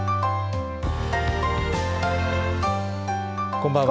こんばんは。